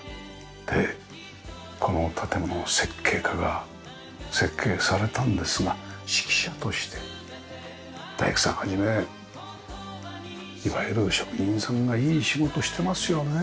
でこの建物の設計家が設計されたんですが指揮者として大工さんを始めいわゆる職人さんがいい仕事してますよね。